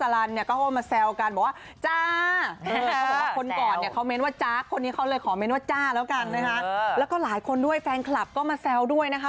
แล้วก็หลายคนด้วยแฟนคลับก็มาแซวด้วยนะคะ